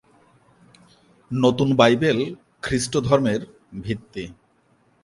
নতুন বাইবেল খ্রিস্ট ধর্মের ভিত্তি।